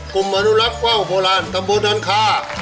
กลุ่มอนุรับเว้าโบราณตะบนดอนคา